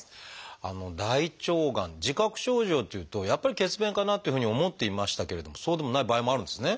大腸がん自覚症状っていうとやっぱり血便かなっていうふうに思っていましたけれどもそうでもない場合もあるんですね。